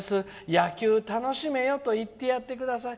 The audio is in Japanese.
野球、楽しめよ！と言ってやってください」。